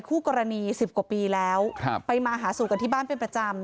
คู่กรณีสิบกว่าปีแล้วไปมาหาสู่กันที่บ้านเป็นประจำ